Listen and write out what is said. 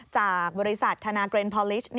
จากบริษัทธนาเกรนพอลิช